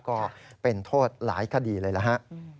ก็เป็นโทษหลายคดีเลยล่ะฮะ